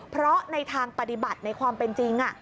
เพราะในทางปฏิบัติในความเป็นจริง